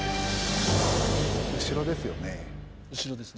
後ろですよね？